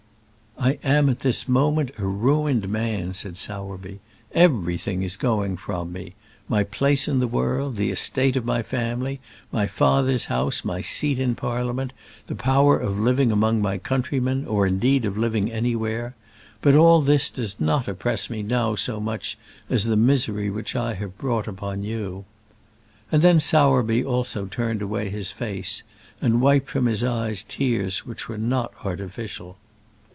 "I am at this moment a ruined man," said Sowerby. "Everything is going from me, my place in the world, the estate of my family, my father's house, my seat in Parliament, the power of living among my countrymen, or, indeed, of living anywhere; but all this does not oppress me now so much as the misery which I have brought upon you." And then Sowerby also turned away his face, and wiped from his eyes tears which were not artificial.